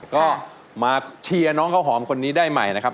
ก็มาเชียร์น้องข้าวหอมคนนี้ได้ใหม่นะครับ